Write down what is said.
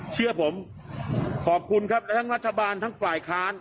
เชื่อผมขอบคุณครับและทั้งรัฐบาลทั้งฝ่ายค้าน